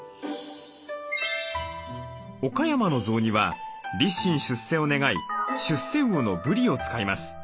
岡山の雑煮は立身出世を願い出世魚のぶりを使います。